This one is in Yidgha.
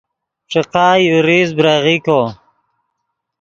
ݯیقا یو ریز بریغیکو